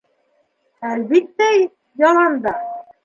— Әлбиттә, яланда.